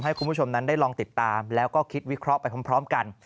ให้คุณผู้ชมนั้นได้ลองติดตามแล้วก็คิดวิเคราะห์ไปพร้อมกัน